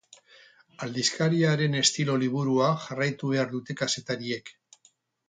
Aldizkariaren estilo-liburua jarraitu behar dute kazetariek.